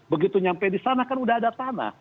begitu nyampe di sana kan udah ada tanah